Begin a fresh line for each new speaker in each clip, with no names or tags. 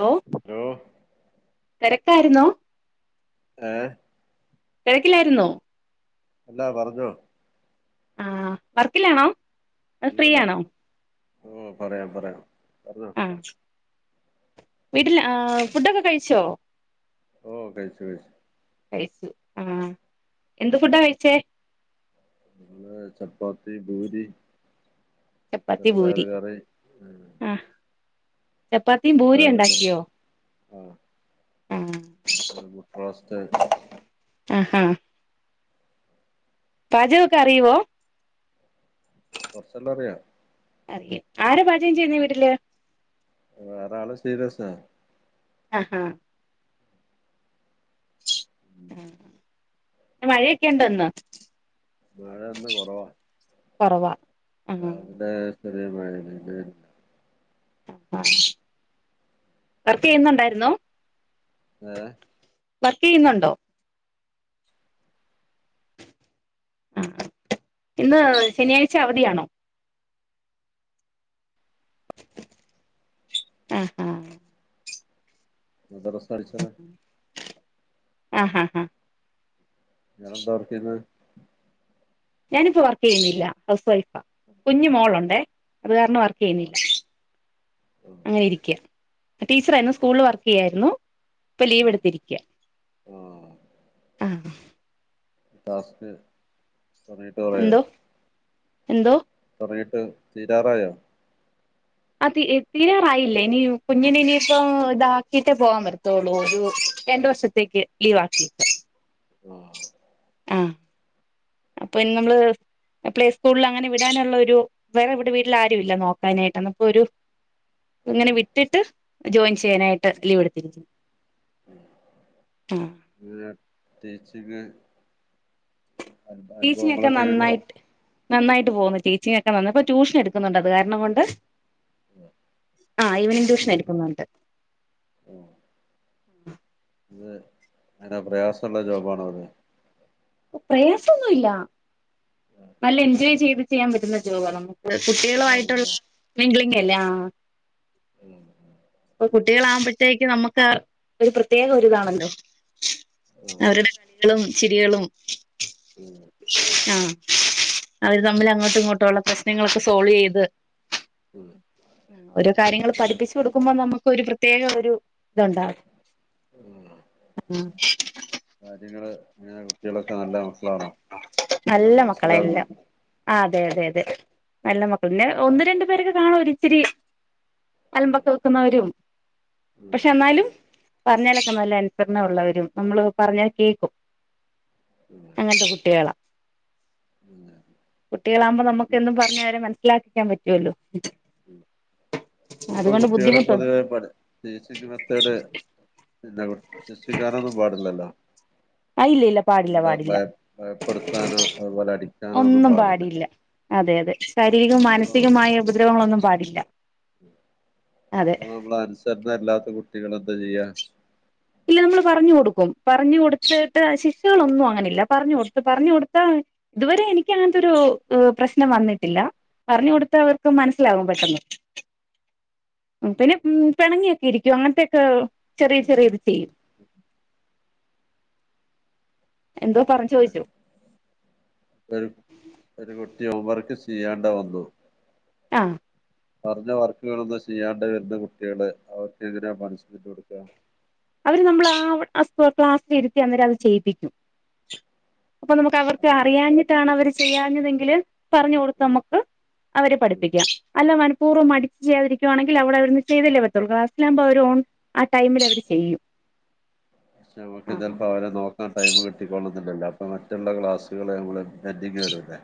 Hello
[unintelligible]
തിരക്കായിരുന്നോ
ഏഹ്
തിരക്കിലായിരുന്നോ
അല്ലാ പറഞ്ഞോ
ആഹ് വർക്കിലാണോ അത് ഫ്രീ
അല്ലല്ല
ആണോ
ഓഹ് പറയാം പറയാം പറഞ്ഞോ
ആ വീട്ടിൽ ആഹ് ഫുഡൊക്കെ കഴിച്ചോ
ഓഹ് കഴിച്ചു കഴിച്
കഴിച്ചു ആഹ് എന്ത് ഫുഡാ കഴിച്ചേ
ചപ്പാത്തി പൂരി
ചപ്പാത്തി
ചെറുപയർ
പൂരി
കറി
ആ ചപ്പാത്തിയും പൂരിയും
ചെറുപയർ കറി
ഉണ്ടാക്കിയോ
ആഹ്
ആഹ്
മുട്ട റോസ്റ്റ്
ആഹാ പാചകൊക്കെ അറിയുവോ
കൊറച്ചെല്ലാം അറിയാം
ഓക്കേ ആരാ പാചകം ചെയ്യുന്നേ വീട്ടില്
വേറെള് സീരിയസാ
ആഹാ
ഉം.
മഴയൊക്കെ ണ്ടോ ഇന്ന്
മഴ ഇന്ന് കൊറവാ
കുറവാ ആ
രാവിലെ ചെറിയ മഴ ണ്ടായിരുന്നു
വർക്ക് ചെയ്യുന്നുണ്ടായിരുന്നോ
ഏഹ്
വർക്കയ്യുന്നുണ്ടോ ഇന്ന് ശനിയാഴ്ച അവധിയാണോ ആഹ് ആഹ്
എന്തവസ്ഥാ അടിച്ചറേ
ആഹ ഹാ
ഇയാളെന്താ വർക്കെയ്ന്നേ
ഞാനിപ്പോ വർക്കയ്യുന്നില്ല ഹൗസ് വൈഫാ കുഞ്ഞു മോളുണ്ടേ അത് കാരണം
ആഹ്
വർക്കെയ്യുന്നില്ല
ആഹ്
അങ്ങനെ ഇരിക്ക ടീച്ചറായിരുന്നു സ്കൂളിൽ വർക്ക് ചെയ്യായിരുന്നു ഇപ്പൊ ലീവ്
ആഹ്
എടുത്തിരിക്കുക
ആഹ്
ആഹ്
ക്ലാസ്സിൽ
എന്തോ എന്തോ
കൊറെയൊക്കെ തീരാറായോ
ആഹ് തീരാറായില്ലേ ഇനി കുഞ്ഞിന് ഇനിയിപ്പോ ഇതാക്കിട്ടേ പോകാൻ പറ്റത്തുള്ളൂ ഒരു രണ്ട വർഷ- ക്ക് ലീവ് ആക്കീക
ആഹ്
ആഹ് അപ്പൊ നമ്മള് പ്ലേ സ്കൂളിൽ അങ്ങനെ വിടാനുള്ള ഒരു വേറെ ഇവിടെ വീട്ടിൽ ആരുവില്ല നോക്കാനായിട്ട് അന്നപ്പൊരു ഇങ്ങനെ
ഉം
വിട്ടിട്ട് ജോയിൻ ചെയ്യാനായിട്ട് ലീവ് എടുത്തിരി ആഹ്
ല്ല ടീച്ചിങ്
ടീച്ചിങ് ഒക്കെ
അനുഭവങ്ങളൊക്കെങ്ങനെ
നന്നായിട്ട് നന്നായിട്ട് പോകുന്നു ടീച്ചിങ് ഒക്കെ നന്നാ ഇപ്പൊ ട്യൂഷൻ എടുക്കുന്നുണ്ട് അത് കാര്ണം കൊണ്ട് ആ ഈവെനിങ്ങ് ട്യൂഷെൻ എടുക്കുന്നുണ്ട്
ഓ അത് ന്നല്ലെ പ്രയാസൊള്ള ജോബാണത്
പ്രയാസൊന്നുല്ല ന്നല്ലെ എൻജോയ് ചെയ്ത് ചെയ്യാൻ പറ്റുന്ന ജോബാ ന്നമുക്ക് ക കുട്ടികളുആയിട്ടുള്ള
ജോബാണല്ലോ
മിംഗ്ലിങ് അല്ലേ ആ
ഉം
കുട്ടികളാകുമ്പഴത്തേക്ക് ന്നമുക്ക് ഒരു പ്രത്യേക ഒരിതാണല്ലോ അവരുടെ കളികളും ചിരികളും
ഉം
ആഹ് അവര് തമ്മിൽ അങ്ങോട്ടു ഇങ്ങോട്ടുള്ള പ്രശ്നങ്ങളൊക്കെ സോൾവെയ്യ്ത് ഓരോ കാര്യങ്ങള് പഠിപ്പിച്ച് കൊടുക്കുമ്പോ നമ്മക്ക് ഒരുപ്ര ത്യേക ഒരു ഇതൊണ്ടാവും ആഹ്.
കാര്യങ്ങള് ഇങ്ങനെ കുട്ടികളൊക്കെ നല്ല മക്കളാണാ എല്ലാം മനസ്സിലാകുന്ന
ആഹ് അതെ അതെ അതെ നല്ല മക്കള് പിന്നെ ഒന്ന്, രണ്ടു പേരൊക്കെ കാണും ഒരിച്ചിരി അലമ്പൊക്കെ വെക്കുന്നവരും. പക്ഷെ എന്നാലും പറഞ്ഞാലൊക്കെ നല്ലെ അനുസരണ ഒള്ളവരും നമ്മള് പറഞ്ഞാ കേക്കും.
[inaudible]
അങ്ങൻത്തെ കുട്ടികളാ.
[unintelligible]
കുട്ടികളാവുമ്പോ നമുക്കെന്തും പറഞ്ഞവരെ മനസ്സിലാക്കിക്കാൻ പറ്റുവല്ലൊ
ഉം ഇപ്പൊ കുട്ടിയാള്
ബുദ്ധിമുട്ടുണ്ട്
പൊതുവേ പട് ബേസിക് മെത്തേഡ് [unintelligible] ശിക്ഷിക്കനൊന്നും പാടില്ലല്ല
ആ ഇല്ല ഇല്ല പാടില്ല
കുട്ടികളെ
പാടില്ല
ഭയം ഭയപ്പെടുത്താനോ അതുപോലെ അടിക്കാനോ ഒന്നും പാടില്ല.
അതെ അതെ
അപ്പൊ
ശാരീരികോം
അപ്പൊ
മാനസികമായ ഉപദ്രവങ്ങളൊന്നും പാടില്ല. അതെ
അത് നമ്മള് അനുസരണ ഇല്ലാത്ത കുട്ടികളെ എന്താ ചെയ്യാ?
ഇല്ല നമ്മള് പറഞ്ഞു കൊടുക്കും പറഞ്ഞ് കൊട്ത്തിട്ട് ശിക്ഷകളൊന്നും അങ്ങനില്ല പറഞ്ഞ് കൊട്ത്ത് പറഞ്ഞു കൊട്ത്താ ഇതുവരെ എനിക്ക് അങ്ങൻത്തൊരു ഇഹ് പ്രശ്നം വന്നട്ടില്ല. പറഞ്ഞ്കൊടുത്ത അവർക്ക് മനസ്സിലാവും പെട്ടെന്ന്. ഉം പിന്നെ ഉം പെണങ്ങിയൊക്കെ ഇരിക്കും അങ്ങൻത്തേക്കെ ചെറിയ ചെറിയ ഇത് ചെയ്യും
[inaudible]
എന്തോ പറഞ് ചോയ്ച്ചു.
ഒരു ഒരുകുട്ടി ഹോം വർക്ക് ചെയ്യാണ്ട് വന്നു.
ആഹ്
പറഞ്ഞ വർക്കുകളൊന്നും ചെയ്യാണ്ട് വെരുന്ന കുട്ടിയള് അവർക്കെങ്ങനയാ പണിഷ്മെന്റ് കൊടുക്കാ
അവര് നമ്മൾ ആ സ്പോ ക്ലാസ്സിലിരുത്തി അന്നേരം അത് ചെയ്യിപ്പിക്കും. അപ്പൊ നമ്മക്ക് അവർക്ക് അറിയാഞ്ഞിട്ടാണ് അവര് ചെയ്യാഞ്ഞതെങ്കില് പറഞ്ഞ് കൊടുത്ത്
ഉം
നമ്മക്ക് അവരെ
ഉം
പഠിപ്പിക്കാം അല്ല മനപൂർവ്വം മടി ച്ച് ചെയ്യാതിരിക്കുവാണെങ്കി അവിടെവരുമ്പൊ ചെയ്തല്ലെ പറ്റത്തൊള്ളു ക്ലാസ്സിലാവുമ്പൊ അവര് ഓൺ ആ ടൈമില് അവര് ചെയ്യും
[unintelligible]
ആഹ്
ചെൽപ്പം അവരെ നോ ക്കാൻ ടൈമ് കിട്ടിക്കൊള്ളണന്നില്ലല്ലൊ അപ്പൊ മറ്റുള്ള ക്ലാസ്സുകൾ നമ്മള് പെന്റിങ്ങ് വെരൂല്ലേ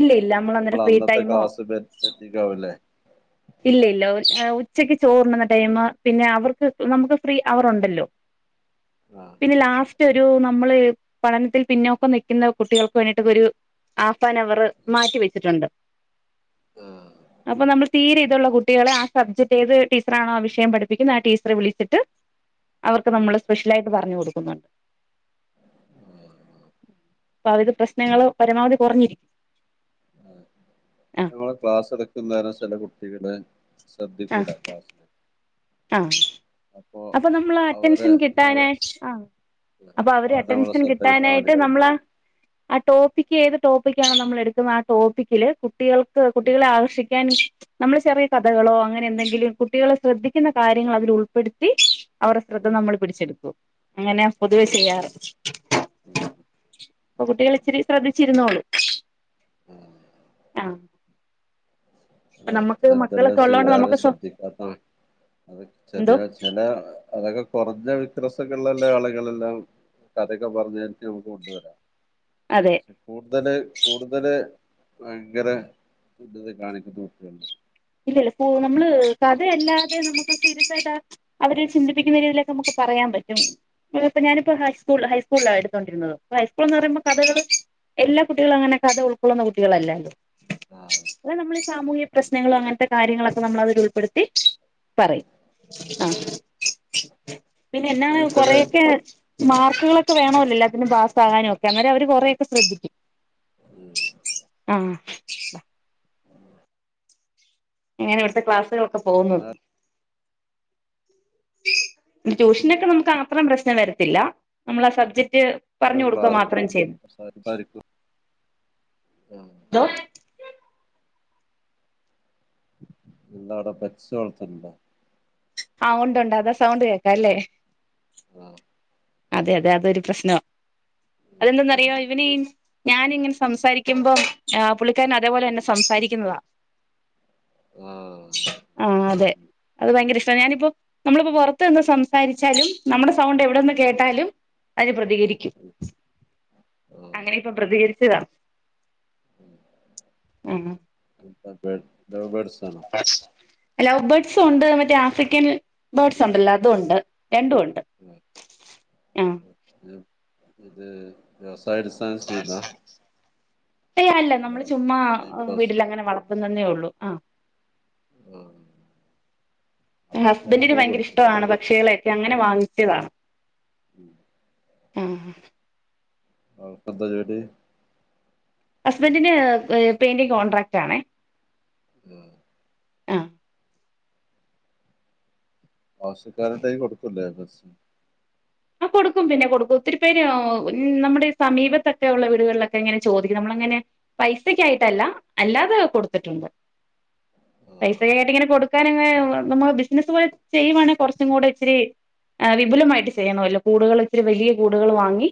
ഇല്ല ഇല്ല നമ്മൾ
നമ്മളെ
അന്നേരം ഫ്രീ
അന്നത്തെ
ടൈമോ
ക്ലാസ്സ് പെൻ പെന്റിങ്ങാവൂലേ
ഇല്ല ഇല്ല ഉച്ചക്ക് ചോറുണ്ണുന്ന ടൈമ് പിന്നെ അവർക്ക് നമ്മക്ക് ഫ്രീ അവറുണ്ടല്ലൊ
ആഹ്
പിന്നെ ലാസ്റ്റ് ഒരു നമ്മള് പഠനത്തിൽ പിന്നോക്കം നിക്കുന്ന കുട്ടികൾക്ക് വേണ്ടിട്ട് ഒരു ഹാഫ് ആൻ അവറ് മാറ്റിവെച്ചിട്ടൊണ്ട്
ആഹ്
അപ്പൊ
ആഹ്
നമ്മൾ തീരെ ഇതൊള്ള കുട്ടികളെ ആ സബ്ജക്റ്റ് ഏത് ടീച്ചറാണോ ആ വിഷയം പഠിപ്പിക്കുന്ന ആ ടീച്ചറെ വിളിച്ചിട്ട് അവർക്ക്
ഉം
നമ്മള് സ്പെഷ്യലായിട്ട് പറഞ്ഞ് കൊടുക്കുന്നൊണ്ട്.
ആഹ്
അപ്പൊ അവരുടെ പ്രശ്നങ്ങള് പരമാവധി കൊറഞ്ഞിരി
[inaudible] നിങ്ങള് ക്ലാസ്സ് എടുക്കുംന്നേരം ചെല കുട്ടികള് ശ്രദ്ധിക്കൂല ക്ലാസ്സില് അപ്പൊ
അപ്പം നമ്മള്
അവരെ
അറ്റൻഷൻ കിട്ടാന്
ഞ-
ആഹ് അപ്പ അവര്
അവർ നമ്മളെ
അറ്റൻഷൻ
ശ്രദ്ധ കിട്ടാൻ
കിട്ടാനായിട്ട്
വേണ്ടിട്ടുണ്ട്
നമ്മള് ആ ടോപ്പിക്ക് ഏത് ടോപ്പിക്ക് ആണോ നമ്മള് എടുക്കുന്നത് ആ ടോപ്പിക്കില് കു ട്ടികൾക്ക് കുട്ടികളെ ആകർഷിക്കാൻ നമ്മള് ചെറിയ കഥകളോ അങ്ങനെ എന്തെങ്കിലും കുട്ടികളെ ശ്രദ്ധി ക്കുന്ന കാര്യങ്ങൾ അതിലുൾപ്പെടുത്തി അവരുടെ ശ്രദ്ധ നമ്മൾ പിടിച്ചെടുക്കും. അങ്ങനെ പൊതുവേ ചെയ്യാറ് അപ്പോ കുട്ടികൾ ഇത്തിരി ശ്രദ്ധിച്ചിരുന്നോളും. ആഹ് അപ്പൊ നമുക്ക്
അതെ എന്തെല്ലാം
മക്കളൊക്കെ ഉള്ളോണ്ട് നമുക്ക്
ചെയ്താലും
സ്വ
ശ്രദ്ധിക്കാത്താണ്. അത്
എന്തോ
ചെറിയ ചെല അതൊക്കെ കൊറഞ്ഞ വിക്രസൊക്കേള്ളല്ല ആളുകളെല്ലാം. കഥയൊക്കെ പറഞ്ഞു വരുത്തി നമക്ക് കൊണ്ടുവരാം
അതെ
മൂത്തേന് കൂടുതല് ഭയങ്കര വികൃതി കാണിക്കുന്ന കുട്ട്യാണ്
ഇല്ലല്ല. ഇപ്പോ നമ്മള് കഥയല്ലാതെ നമുക്ക് [unintelligible] യിട്ടാ അവരെ ചിന്തിപ്പിക്കുന്ന രീതിയിലൊക്കെ നമുക്ക് പറയാൻ പറ്റും. [unintelligible] ഞാനിപ്പോ ഹൈസ്കൂൾ ഹൈസ്കൂൾലാ എടുത്തോണ്ടിരുന്നത്. ഹൈസ്കൂൾ എന്ന് പറയുമ്പോ കഥകള് എല്ലാ കുട്ടികളും അങ്ങനെ കഥ ഉൾക്കൊള്ളുന്ന കുട്ടികളല്ലാലോ
ആഹ്
[unintelligible] നമ്മള് സാമൂഹ്യ പ്രശ്നങ്ങളോ അങ്ങൻത്തെ കാര്യങ്ങളൊക്കെ നമ്മള് അതിലുൾപ്പെടുത്തി
ഉം.
പറയും ആഹ് പിന്നെ എന്നാണ് കൊറയൊക്കെ മാർക്കുകളൊക്കെ വേണോലോ എല്ലാത്തിനും പാസ്സകാനും ഒക്കെ. അന്നേരം അവര് കൊറെയൊക്കെ ശ്രദ്ധിക്കും.
ഉം
ആഹ് എങ്ങനെ ഇവിടുത്തെ ക്ലാസുകളൊക്കെ പോകുന്നു ട്യൂഷനൊക്കെ നമുക്ക് അത്രം പ്രശ്നം വരത്തില്ല. നമ്മളാ സബ്ജക്ട് പറഞ്ഞു
എന്നാലും
കൊടുക്ക
ക്ലാസ്
മാത്രം ചെയ്തു
ഉം
ന്തോ
എന്താ അവട പെറ്റ്സ് വളർത്തുന്നുണ്ടോ?
ആഹ് ഒണ്ടുണ്ട്. അതാ സൗണ്ട് കേക്കാ അല്ലേ?
ആഹ്
അതെ അതെ അതൊരു പ്രശ്നവാ.
ഉം.
അതെന്തെന്നറിയോ ഇവനീ ഞാനിങ്ങനെ സംസാരിക്കുമ്പോം ആഹ് പുള്ളിക്കാരൻ അതേപോലന്നെ സംസാരിക്കുന്നതാ
ആഹ്
ആഹ് അതെ അത് ഭയങ്കര ഇഷ്ടാ. ഞാനിപ്പോ നമ്മളിപ്പോ പൊറത്ത് നിന്ന് സംസാരിച്ചാലും നമ്മുടെ സൗണ്ട് എവിടന്ന് കേട്ടാലും അതിന് പ്രതികരി ക്കും.
ഉം. ആ
അങ്ങനെ ഇപ്പം പ്രതികരിച്ചതാ ഉം
എന്താ [unintelligible] ലൗ ബേർഡ്സ് ആണോ?
ലൗ ബേഡ്സും ഉണ്ട്. മറ്റേ ആഫ്രിക്കൻ ബേർഡ്സ് ഉണ്ടല്ലോ. അതും ഉണ്ട്
ഉം
രണ്ടും ഉണ്ട്
ആഹ് ആഹ് [unintelligible] ഇത് വ്യവസായടിസ്
[unintelligible] ഏയ് അല്ല
അതോ
നമ്മള് ചുമ്മാ
ടൈം പാസ്
വീട്ടിലങ്ങനെ വളർ ത്തുന്നന്നേ ഉള്ളൂ. ആഹ് ഹസ്ബൻഡിന്
ആവശ്യക്കാരുടെ
ഭയങ്കര
കൊടുക്കൂല്ലേ
ഇഷ്ടമാണ് പ ക്ഷികളെ ഒക്കെ അങ്ങനെ വാങ്ങിച്ചതാണ്.
ഉം
ആഹ്
ആൾക്ക് എന്താ പരിപാടി
ഹസ്ബന്റിന് പെയ്ന്റിംങ് കോൺട്രാക്റ്റാണേ
[unintelligible]
അഹ്
ആവശ്യക്കാരൻ ടൈം എടുക്കുല്ലെ ബസ്സിന്
ആഹ് കൊട്ക്കും പിന്നെ കൊട്ക്കും ഒത്തിരി പേര് നമ്മുടെ സമീപത്തെക്കെ ഉള്ള വീട്കളിലെക്ക ഇങ്ങനെ ചോദിക്കും നമ്മള് ഇങ്ങനെ പൈസക്കായ്ട്ടല്ല അല്ലാതെ കൊടുത്തിട്ടുണ്ട്
ആ
പൈസയായിട്ട് ഇങ്ങന കൊട്ക്കാനങ്ങ് നമ്മൾ ബിസ്നസ് പോലെ ചെയ്യുവാണെ കൊറച്ചും കൂട ഇച്ചിരി എഹ് വിപുലമായ്ട്ട് ചെയ്യണവല്ലോ കൂടുകള് ഇത്തിരി വലീയ കൂടുകള് വാങ്ങി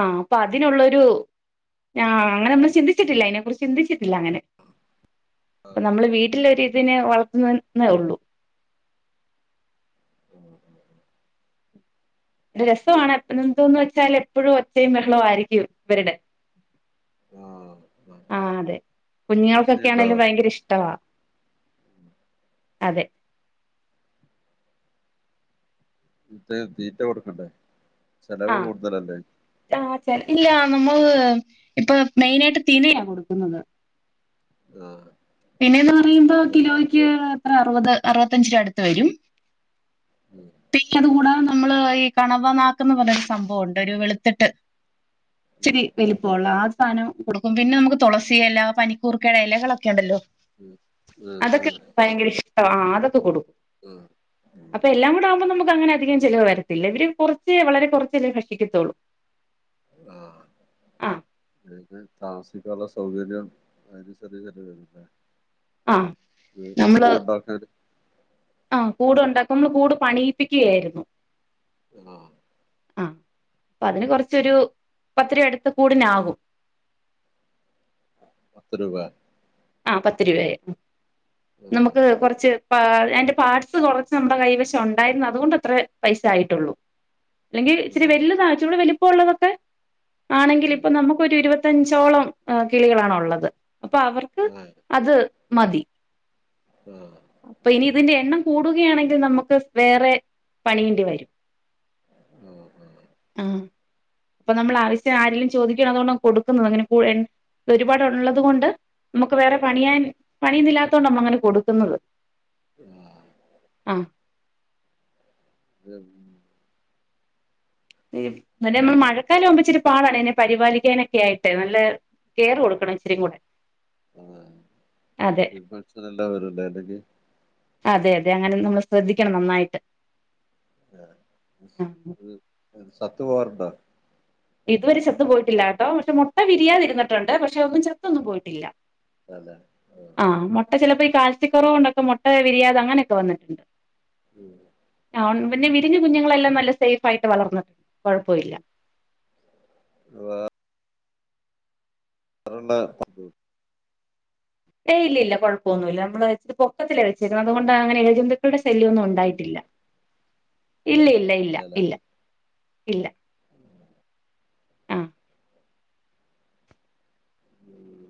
ആഹ് അപ്പ അതിനൊള്ളൊരു ഞാഹ് അങ്ങന അമ്മള് ചിന്തിച്ചിട്ടില്ല അയ്നെ കുറിച്ച് ചിന്തിച്ച്‌ ഇല്ല അങ്ങനെ അപ്പ നമ്മള് വീട്ടിലൊര് ഇതിനെ വളർത്തുന്നന്നേ ഉള്ളൂ രസവാണ് എപ് എന്തോന്ന് വെച്ചാല് എപ്പഴും ഒച്ചയും ബെഹളവു ആരിക്കും ഇവര്ടെ
ആ
ആഹ് അതെ
കൃഷിയുണ്ടോ
കുഞ്ഞെൾക്കൊക്കെയാണെലും
അവിടെ
ഭയങ്കര ഇഷ്ട്ടവാ അതെ
ഇത്റ്റേ തീറ്റ കൊടുക്കണ്ടേ ചെലവ് കൂട്തലല്ലേ
ആഹ് ചെല ഇല്ലാന്നും നമ്മള് ഇപ്പ മെയ്നാട്ട് തിനയാ കൊട്ക്കുന്നത്
ആഹ്
തിനെന്ന് പറയ്മ്പ കിലോയ്ക്ക് എത്ര അറുവത് അറുപത്തഞ്ച് രൂപ അടുത്ത് വരും
ഉം
പിന്നെ അത് കൂടാത നമ്മള് ഐ കണവ ന്നാക്ക്ന്ന് പറയുന്ന സംഭവുണ്ട് ഒരു വെള്ത്തിട്ട് ഇച്ചിരി
ഉം
വലിപ്പോള്ള ആ സാനം കൊട്ക്കും പിന്ന നമക്ക് തൊളസി എല പനിക്കൂർക്കെട എലകളെക്കെ ഉണ്ടല്ലോ
ഉം ആഹ്
അതൊക്കെ
ആഹ്
ഭയങ്കര ഇഷ്ട്ടാ ആഹ് അതക്കകൊടു
ആഹ്
അപ്പ എല്ലാം കൂടാവുമ്പോ നമക്ക് അങ്ങനെ അധികം ചെലവ് വരത്തില്ല ഇവര് കൊറച്ച് വളരെ കൊറച്ചല്ലെ ഭക്ഷിക്കത്തോള്ളു അഹ്
ഐനെ താമസിക്കാനുള്ള സൗകര്യം അനുസരിചല്ലെ വെരുന്നെ
അഹ് നമ്മള്
കൂടുണ്ടാക്കാൻ
അഹ് കൂട് ഉണ്ടാക്കും നമ്ള് കൂട് പണീപ്പിക്കയാര്ന്നു
ആഹ്
അഹ് അപ്പ അതിന് കൊറച്ചൊരു പത്തിരൂവ അടുത്ത് കൂട്നാകും
പത്ത് രൂപ
ആഹ് പത്ത് രൂപയായി
ആ
നമുക്ക് കൊറച്ച് പാ ഐന്റ പാർട്സ് കൊറച്ച് നമ്മുടെ കൈവശം ഒണ്ടായിരുന്ന് അതുകൊണ്ടത്രേ പൈസ ആയിട്ടൊള്ളൂ അല്ലെങ്കി ഇച്ച്‌രി
ആ
വെല്താ ഇച്ചിരൂട വെലുപോള്ളതൊക്കെ ആണെങ്കില്
ഉം
ഇപ്പ നമുക്കൊര് ഇരുപത്തഞ്ചോളം ആഹ് കിളികളാണ് ഉള്ളത് അപ്പ അവർക്ക്
ആ
അത് മതി
ആ
അപ്പ ഇനി ഇതിന്റെ എണ്ണം കൂടുകയാണെങ്കിൽ നമുക്ക് വേറെ പണിയേണ്ടി വരും
ആ ആ
ആഹ് അപ്പൊ നമ്മള ആവശ്യ ആരിലും ചോദിക്കാ അത് കൊണ്ട് കൊട്ക്കുന്നതാ അങ്ങനെ പുഴ എൻ ഒരു പാടുള്ളത് കൊണ്ട് ക്ക് വേറെ പണിയാൻ പണി ഇതില്ലാത്തോണ്ടമ്മള് അങ്ങനെ കൊട്ക്കുന്നത്
ആഹ്
അഹ്
ഇതെന്ത്
തന്നെ അമ്മള്
പിന്നെ
മഴക്കാലാമ്പംഇച്ചിരി പാടാണ് അയ്നെ പരിപാലിക്കാനെക്കെ ആയ്ട്ട് നല്ല കെറ് കൊട്
പിന്നെ
അതെ
തു കൾചറല്ലാതെ വേറെന്താണ്ട് നി
അതെ അതെ അങ്ങന നമ്മള് ശ്രദ്ധിക്കണം നന്നായ്ട്ട്
അതെ ഇത് എൻ സത്ത് പോവാറുണ്ടോ
ഇതുവരെ ചത്ത് പോയ്ട്ടില്ലാട്ടോ പഷെ മുട്ട വിരിയാതിരുന്നിട്ടൊണ്ട് പഷെ ഒന്നും ചത്തൊന്നും പോയ്ട്ടില്ല
അതെ
ആഹ് മുട്ട ചിലപ്പോ ഈ കാത്സ്യ കുറവ്കൊണ്ട് മുട്ട വിരിയാതെ അങ്ങനൊക്കെ വന്നിട്ടുണ്ട്
ഉം
പിന്നെ വിരിഞ്ഞ കുഞ്ഞുങ്ങളെല്ലാം നല്ല സേഫ് ആയിട്ട് വളർന്നട്ടുണ്ട്
ആഹ് [unintelligible]
ഏ ഇല്ലില്ല കുഴപ്പൊന്നുമില്ല നമ്മള് പൊക്കത്തിലാ വെചെക്കന്നത് അതുകൊണ്ട് അങ്ങനെ എഴ ഇടെ ശല്യം ഒന്നും ഉണ്ടായിട്ടില്ല ഇല്ല ഇല്ല ഇല്ല ഇല്ല ഇല്ല ആ
ഉം